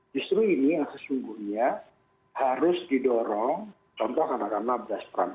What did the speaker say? justru ini yang sesungguhnya harus didorong contoh katakanlah beras perang